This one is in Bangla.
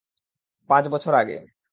পাঁচ বছর আগে।